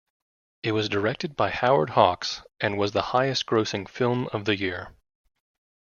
It was directed by Howard Hawks and was the highest-grossing film of the year.